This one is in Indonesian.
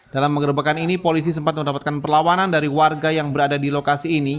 dalam pengerebekan ini polisi sempat mendapatkan perlawanan dari warga yang berada di lokasi ini